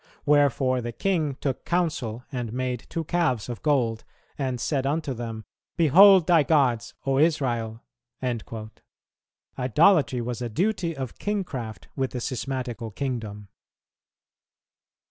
.. Wherefore the king took counsel and made two calves of gold, and said unto them, Behold thy gods, O Israel." Idolatry was a duty of kingcraft with the schismatical kingdom.